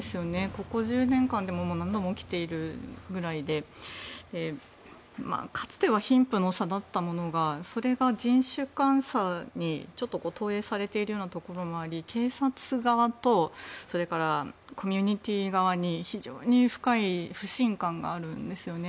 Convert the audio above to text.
ここ１０年間でも何度も起きているぐらいでかつては貧富の差だったものがそれが人種間差にちょっと投影されているようなところもあり警察側とそれからコミュニティー側に非常に深い不信感があるんですよね。